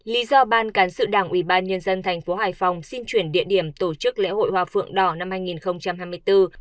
lý do ban cán sự đảng ủy ban nhân dân thành phố hải phòng xin chuyển địa điểm tổ chức lễ hội hoa phượng đỏ năm hai nghìn hai mươi bốn